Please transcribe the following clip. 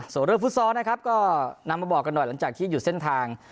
ส่วนเรื่องฟุตซอลนะครับก็นำมาบอกกันหน่อยหลังจากที่หยุดเส้นทาง